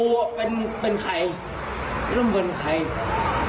กูเป็นเป็นใครไม่ต้องเป็นใคร